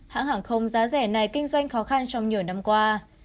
hãng hàng không giá rẻ này kinh doanh khó khăn trong nhiều năm qua